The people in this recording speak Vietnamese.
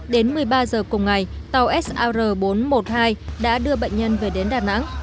đến một mươi ba giờ cùng ngày tàu sr bốn trăm một mươi hai đã đưa bệnh nhân về đến đà nẵng